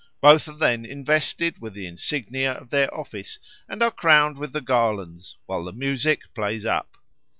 Both are then invested with the insignia of their office and are crowned with the garlands, while the music plays up.